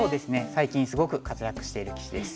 最近すごく活躍している棋士です。